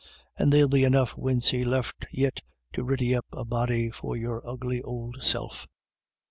— "And there'll be enough wincey left yit to ready up a body for your ugly ould self."